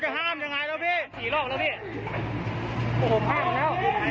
เฮ้ยยืนดูรักกันเถอะ